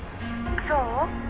そう？